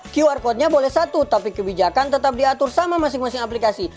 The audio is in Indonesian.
qr code nya boleh satu tapi kebijakan tetap diatur sama masing masing aplikasi